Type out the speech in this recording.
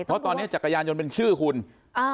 เพราะตอนเนี้ยจักรยานยนต์เป็นชื่อคุณอ่า